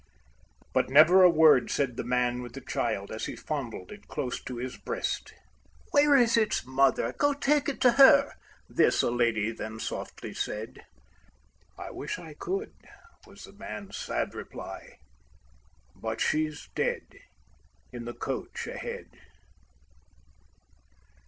But never a word said the man with the child, As he fondled it close to his breast. "Where is its mother? Go take it to her," this a lady then softly said. "I wish I could," was the man's sad reply. "But she's dead in the coach ahead."